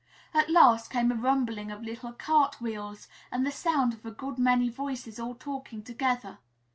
At last came a rumbling of little cart wheels and the sound of a good many voices all talking together.